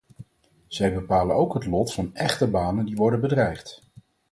Zij bepalen ook het lot van echte banen die worden bedreigd.